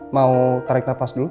mau tarik nafas dulu